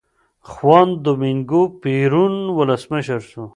خوان دومینګو پېرون ولسمشر شو.